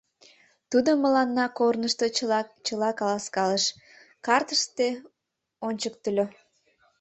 Тудо мыланна корнышто чыла-чыла каласкалыш, картыште ончыктыльо.